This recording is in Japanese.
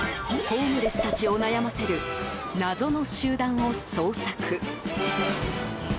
ホームレスたちを悩ませる謎の集団を捜索。